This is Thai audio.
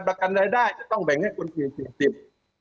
ประกันรายได้จะต้องแบ่งให้คนกลีด๔๐